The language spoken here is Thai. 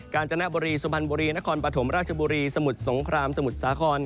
การจนบุรีสุพรรณบุรีนครปฐมราชบุรีสมุทรสงครามสมุทรสาคร